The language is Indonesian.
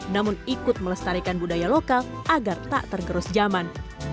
namun ikut melestarikan budaya lokal agar tak tergerus zaman